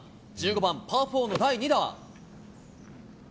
１５番パー４の第２打。